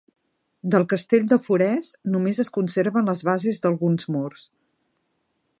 Del castell de Forès només es conserven les bases d'alguns murs.